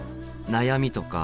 悩みとか。